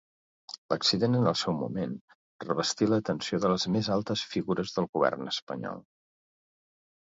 L'accident en el seu moment revestí l'atenció de les més altes figures del govern espanyol.